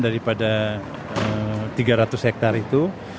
daripada tiga ratus hektare itu